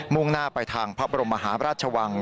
่งหน้าไปทางพระบรมมหาราชวัง